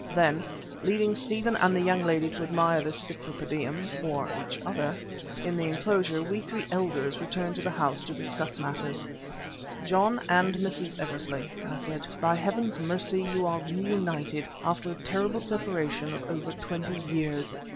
Then, leaving Stephen and the young lady to admire this Cypripedium or each other in the enclosure, we three elders returned to the house to discuss matters. "John and Mrs. Eversley," I said, "by Heaven's mercy you are reunited after a terrible separation of over twenty years.